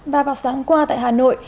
và vào sáng qua tại hà nội